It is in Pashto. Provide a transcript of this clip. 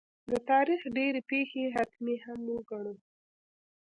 د تاریخ ډېرې پېښې حتمي هم وګڼو.